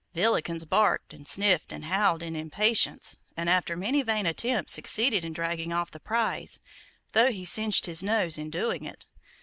Villikins barked, and sniffed, and howled in impatience, and after many vain attempts succeeded in dragging off the prize, though he singed his nose in doing it.